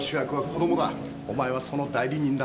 お前はその代理人だから。